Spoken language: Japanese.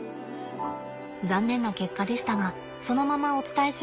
残念な結果でしたがそのままお伝えしました。